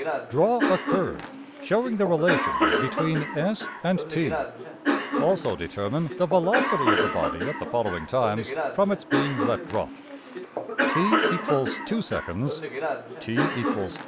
Draw a curve showing the relation between $s$~and~$t$. Also determine the velocity of the body at the following times from its being let drop: $t = 2$ seconds; $t = 4.